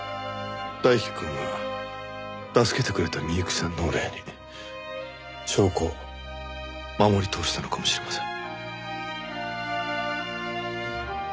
大樹くんは助けてくれた美由紀さんのお礼に証拠を守り通したのかもしれません。